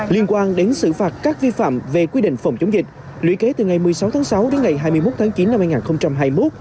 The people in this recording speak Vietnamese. liên quan đến xử phạt các vi phạm về quy định phòng chống dịch lũy kế từ ngày một mươi sáu tháng sáu đến ngày hai mươi một tháng chín năm hai nghìn hai mươi một